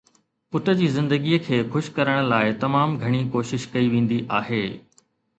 پٽ جي زندگيءَ کي خوش ڪرڻ لاءِ تمام گهڻي ڪوشش ڪئي ويندي آهي